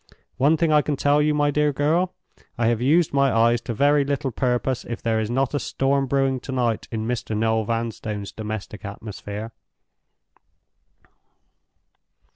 One thing I can tell you, my dear girl—I have used my eyes to very little purpose if there is not a storm brewing tonight in Mr. Noel Vanstone's domestic atmosphere."